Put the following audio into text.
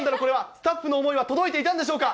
スタッフの思いは届いていたんでしょうか。